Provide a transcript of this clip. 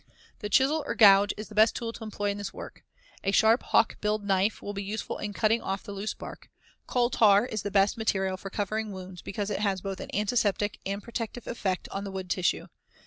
The chisel or gouge is the best tool to employ in this work. A sharp hawk billed knife will be useful in cutting off the loose bark. Coal tar is the best material for covering wounds because it has both an antiseptic and a protective effect on the wood tissue.